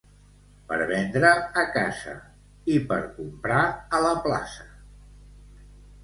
Per vendre, a casa, i, per comprar, a la plaça.